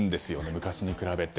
昔に比べて。